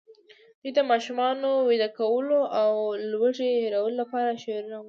دوی د ماشومانو د ویده کولو او لوږې هېرولو لپاره شعرونه ویل.